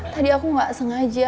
tadi aku nggak sengaja